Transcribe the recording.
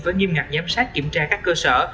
và nghiêm ngặt giám sát kiểm tra các cơ sở